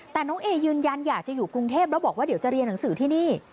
แต่น้องเอยืนยันอยากจะอยู่กรุงเทพแล้วบอกว่าเดี๋ยวจะเรียนหนังสือที่นี่